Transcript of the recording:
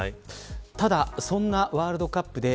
ただ、そんなワールドカップで